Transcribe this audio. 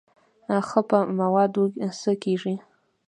ښه په موادو څه کېږي.